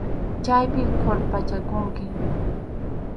Chaypi qurpachakunki.